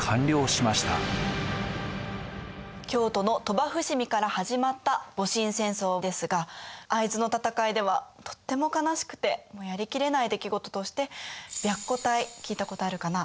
京都の鳥羽・伏見から始まった戊辰戦争ですが会津の戦いではとっても悲しくてやりきれない出来事として白虎隊聞いたことあるかな。